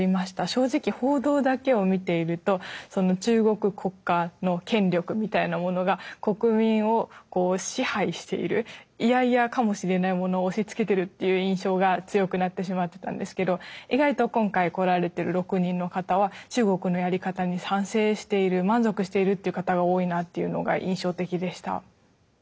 正直報道だけを見ていると中国国家の権力みたいなものが国民をこう支配しているイヤイヤかもしれないものを押しつけてるっていう印象が強くなってしまってたんですけど意外と今回来られてる６人の方は中国のやり方に賛成している満足しているっていう方が多いなっていうのが印象的でした。